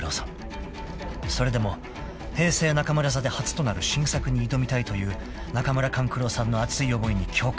［それでも平成中村座で初となる新作に挑みたいという中村勘九郎さんの熱い思いに共感］